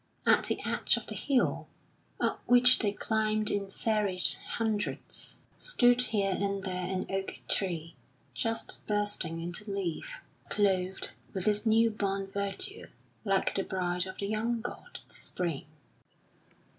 At the edge of the hill, up which they climbed in serried hundreds, stood here and there an oak tree, just bursting into leaf, clothed with its new born verdure, like the bride of the young god, Spring.